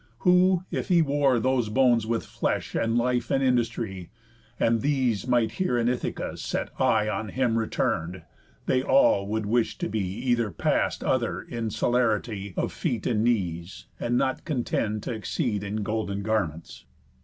Who, if he wore Those bones with flesh and life and industry, And these might here in Ithaca set eye On him return'd, they all would wish to be Either past other in celerity Of feet and knees, and not contend t' exceed In golden garments.